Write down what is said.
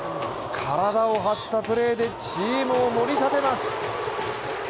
体を張ったプレーでチームをもり立てます。